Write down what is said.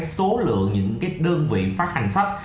số lượng những đơn vị phát hành sách